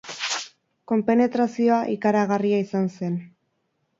Konpenetrazioa ikaragarria izan zen.